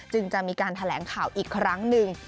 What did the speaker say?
จะมีการแถลงข่าวอีกครั้งหนึ่ง